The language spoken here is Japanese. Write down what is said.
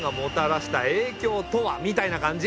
みたいな感じ？